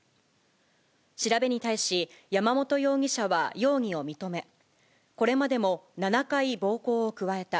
調べに対し、山本容疑者は容疑を認め、これまでも７回暴行を加えた。